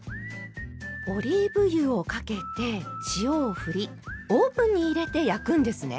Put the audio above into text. オリーブ油をかけて塩をふりオーブンに入れて焼くんですね。